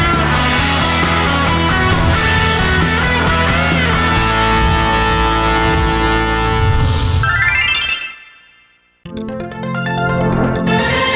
สวัสดีครับ